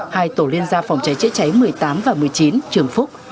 hai tổ liên gia phòng cháy chữa cháy một mươi tám và một mươi chín trường phúc